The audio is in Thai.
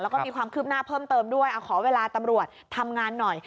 แล้วก็มีความคืบหน้าเพิ่มเติมด้วยเอาขอเวลาตำรวจทำงานหน่อย